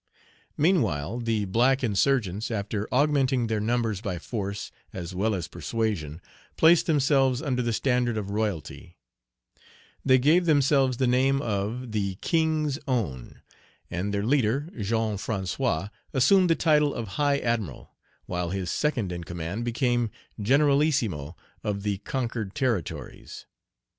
Meanwhile the black insurgents, after augmenting their numbers by force as well as persuasion, placed themselves under the standard of royalty; they gave themselves the name of "The King's Own;" and their leader, Jean François, assumed the title of High Admiral, while his second in command became Generalissimo of the conquered territories.